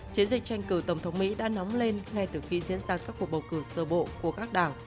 chiến dịch tranh cử tổng thống mỹ đã nóng lên ngay từ khi diễn ra các cuộc bầu cử sơ bộ của các đảng